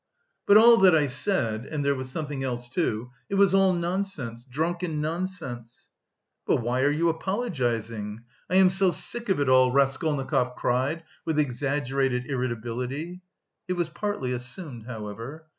But all that I said (and there was something else too) it was all nonsense, drunken nonsense." "But why are you apologising? I am so sick of it all!" Raskolnikov cried with exaggerated irritability. It was partly assumed, however.